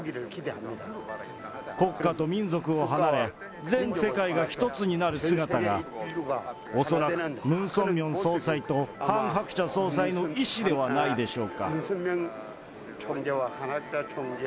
国家と民族を離れ、全世界が一つになる姿が恐らく、ムン・ソンミョン総裁とハン・ハクチャ総裁の意思ではないでしょうか。